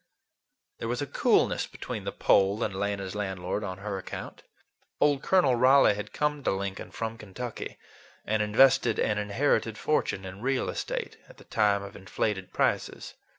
There was a coolness between the Pole and Lena's landlord on her account. Old Colonel Raleigh had come to Lincoln from Kentucky and invested an inherited fortune in real estate, at the time of inflated prices.